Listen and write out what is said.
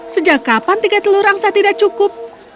sejak kapan tiga telur angsa tidak cukup